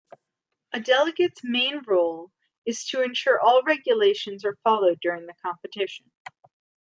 A delegate's main role is to ensure all regulations are followed during the competition.